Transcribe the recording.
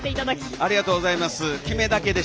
ありがとうございます。